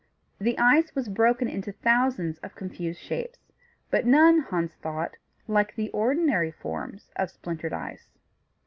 The ice was broken into thousands of confused shapes, but none, Hans thought like the ordinary forms of splintered ice.